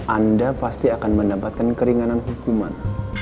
anda pasti akan mendapatkan keringanan hukuman